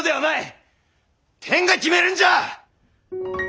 天が決めるんじゃ！